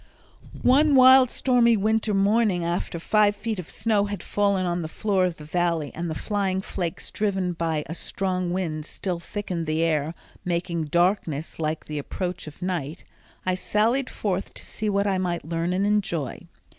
One wild, stormy winter morning after five feet of snow had fallen on the floor of the Valley and the flying flakes driven by a strong wind still thickened the air, making darkness like the approach of night, I sallied forth to see what I might learn and enjoy.